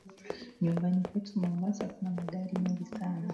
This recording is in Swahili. Nyumbani kwetu Mombasa kuna magari mengi sana.